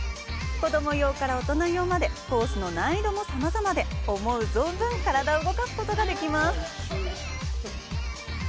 子供用から大人用までコースの難易度もさまざまで、思う存分、体を動かすことができます。